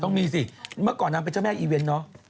ต้องมีสิเมื่อก่อนนางเป็นเจ้าแม่อีเวนต์เนอะ